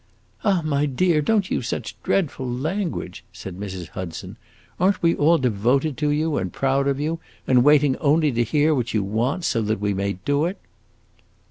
"Ah, my dear, don't use such dreadful language!" said Mrs. Hudson. "Are n't we all devoted to you, and proud of you, and waiting only to hear what you want, so that we may do it?"